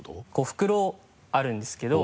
袋あるんですけど。